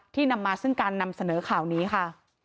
นำมาซึ่งการนำเสนอข่าวนี้ค่ะ